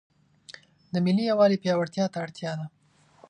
د ملي یووالي پیاوړتیا ته اړتیا ده.